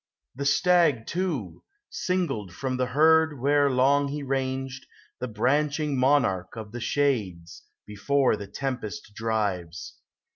The stag too, singled from tl,< herd where long He ranged', the branching monarch of the Bhades, Before the tempest drives.